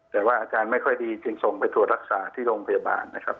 แต่ว่าอาจารย์ไม่ค่อยดีจึงส่งไปถูกรักษาที่โรงพยาบาล